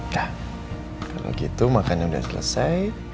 kalau gitu makannya udah selesai